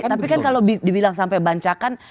tapi kan kalau dibilang sampai bancakan